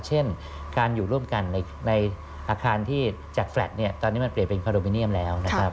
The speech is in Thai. เช่นการอยู่ร่วมกันในอาคารที่จากแฟลตเนี่ยตอนนี้มันเปลี่ยนเป็นคอนโดมิเนียมแล้วนะครับ